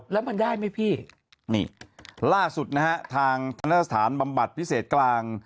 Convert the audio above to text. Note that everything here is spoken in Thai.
แล้วมันได้ไหมพี่นี่ล่าสุดนะฮะทางธนสถานบำบัดพิเศษกลาง